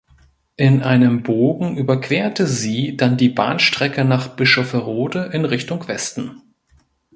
In einem Bogen überquerte sie dann die Bahnstrecke nach Bischofferode in Richtung Westen.